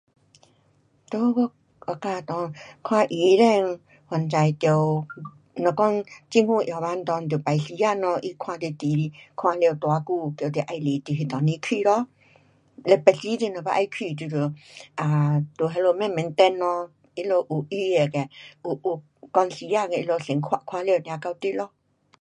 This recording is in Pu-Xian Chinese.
在我国家里，看医生反正是，要是在政府药房就要慢慢等时间看多久。要是另外的有预约的讲时间的就先看。看好了就到你了。